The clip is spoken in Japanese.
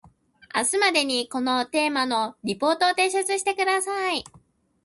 明日までにこのテーマのリポートを提出してください